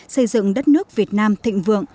xây dựng đất nước việt nam thịnh vượng